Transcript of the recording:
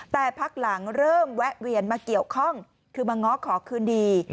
แต่พักหลังเริ่มแวะเวียนมาเกี่ยวข้องคือมาง้อขอคืนดี